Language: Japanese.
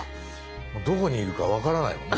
もうどこにいるか分からないもんね